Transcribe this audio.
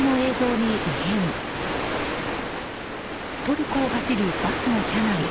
トルコを走るバスの車内。